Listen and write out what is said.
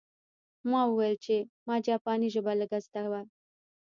ما وویل چې ما جاپاني ژبه لږه زده وه